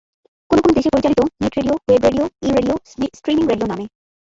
কোনো কোনো দেশে পরিচিত net radio, web radio, e radio, streaming radio নামে।